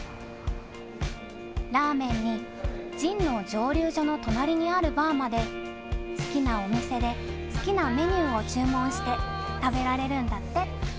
ラーメンにジンの蒸留所の隣にあるバーまで好きなお店で好きなメニューを注文して食べられるんだって。